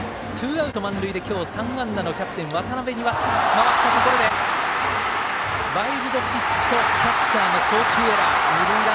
その裏、今日３安打のキャプテン渡邊に回ったところでワイルドピッチとキャッチャーの送球エラー。